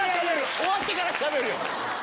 終わってからしゃべる！